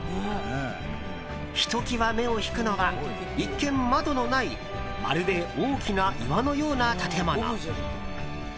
ひときわ目を引くのは一見、窓のないまるで大きな岩のような建物。